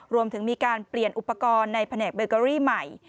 รวมถึงมีการเปลี่ยนอุปกรณ์ในแผนกเบเกอรี่ใหม่